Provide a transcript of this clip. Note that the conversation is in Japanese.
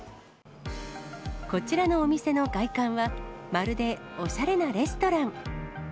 こちらのお店の外観は、まるで、おしゃれなレストラン。